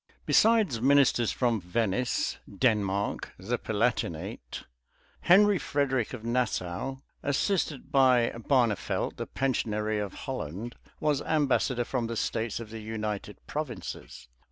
Besides ministers from Venice, Denmark, the Palatinate; Henry Frederic of Nassau, assisted by Barnevelt, the pensionary of Holland, was ambassador from the states of the United Provinces.